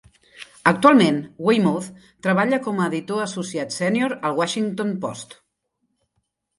Actualment, Weymouth treballa com a editor associat sènior al Washington Post.